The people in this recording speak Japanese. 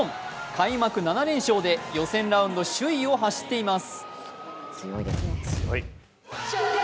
開幕７連勝で予選ラウンド首位を走っています。